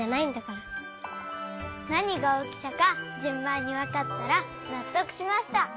なにがおきたかじゅんばんにわかったらなっとくしました。